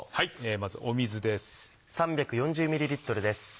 まず水です。